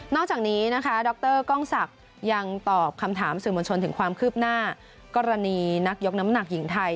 จากนี้นะคะดรกล้องศักดิ์ยังตอบคำถามสื่อมวลชนถึงความคืบหน้ากรณีนักยกน้ำหนักหญิงไทย